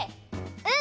うん！